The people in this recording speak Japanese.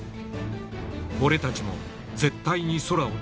俺たちも絶対に空を飛ぶぞ！